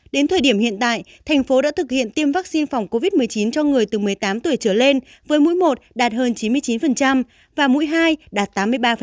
đến thời điểm hiện tại thành phố đã thực hiện tiêm vaccine phòng covid một mươi chín cho người từ một mươi tám tuổi trở lên với mũi một đạt hơn chín mươi chín và mũi hai đạt tám mươi ba